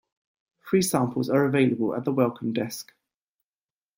Free samples are available at the Welcome Desk.